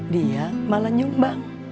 dia malah nyumbang